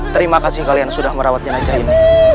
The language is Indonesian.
terima kasih kalian sudah merawat jenazah ini